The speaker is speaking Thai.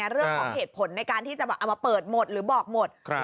เรื่องของเหตุผลในการที่จะเอามาเปิดหมดหรือบอกหมด